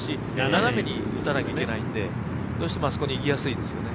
斜めに打たなきゃならないんでどうしてもあそこ、逃げやすいですよね。